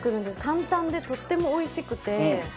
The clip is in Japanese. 簡単でとてもおいしくて。